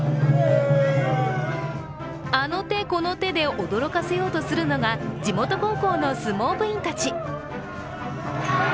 あの手この手で驚かせようとするのが地元高校の相撲部員たち。